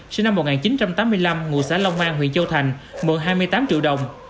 sinh năm một nghìn chín trăm tám mươi năm ngụ xã long an huyện châu thành mượn hai mươi tám triệu đồng